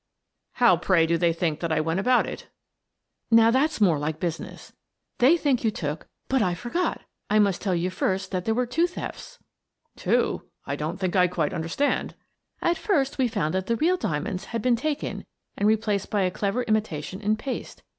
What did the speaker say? " How, pray, do they think that I went about it?" " Now, that's more like business. They think you took — But I forgot! I must tell you first that there were two thefts." "Two? I don't think I quite understand." " At first we found that the real diamonds had been taken and replaced by a clever imitation in paste.